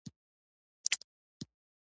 د علي ځېګر ساره ده.